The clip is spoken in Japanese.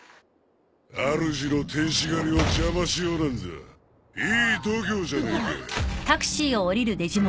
あるじの天使狩りを邪魔しようなんざいい度胸じゃねえか。